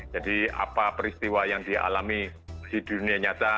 jadi apa peristiwa yang dialami di dunia nyata